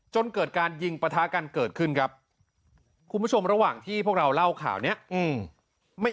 จนเกิดการยิงประทะกันเกิดขึ้นครับคุณผู้ชมระหว่างที่พวกเราเล่าข่าวนี้ไม่